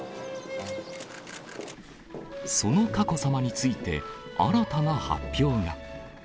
その佳子さまについて、新たな発表が。